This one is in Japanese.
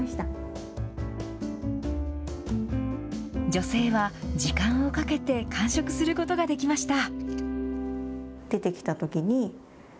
女性は、時間をかけて完食することができました。